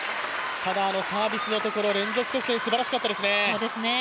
ただあのサービスのところ、連続得点すばらしかったですね。